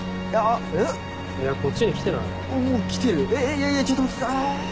いやいやちょっと待って。